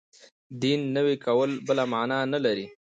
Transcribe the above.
دین نوی کول بله معنا نه لري.